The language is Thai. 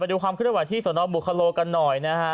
ไปดูความขึ้นต่อไปที่สเราบุคโลกันหน่อย